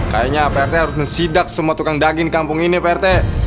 kayaknya prt harus mensidak semua tukang daging kampung ini prt